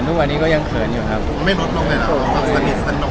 มีมีมีมีมีมีมีมีมีมีมีมี